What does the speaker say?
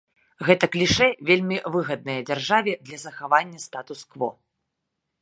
Гэта клішэ вельмі выгаднае дзяржаве для захавання статус-кво.